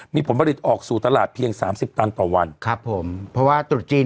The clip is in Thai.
มีผลผลิตออกสู่ตลาดเพียงสามสิบตันต่อวันครับผมเพราะว่าตรุษจีน